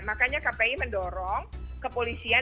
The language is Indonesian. makanya kpi mendorong kepolisian